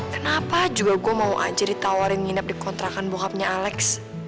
kenapa juga gue mau aja ditawarin nginep di kontrakan bohabnya alex